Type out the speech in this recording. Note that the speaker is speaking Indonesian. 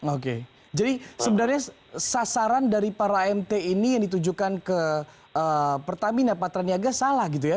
oke jadi sebenarnya sasaran dari para amt ini yang ditujukan ke pertamina patraniaga salah gitu ya